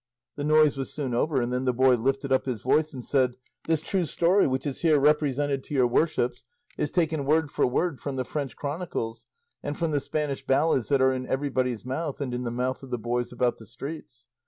The noise was soon over, and then the boy lifted up his voice and said, "This true story which is here represented to your worships is taken word for word from the French chronicles and from the Spanish ballads that are in everybody's mouth, and in the mouth of the boys about the streets.